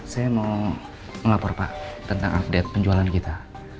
saya mau melapor pak tentang update penjualan kita